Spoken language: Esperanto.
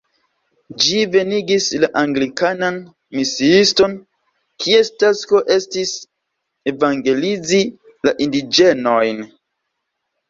Ĝi venigis la anglikanan misiiston, kies tasko estis evangelizi la indiĝenojn.